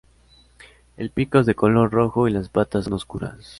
El pico es de color rojo y las patas son oscuras.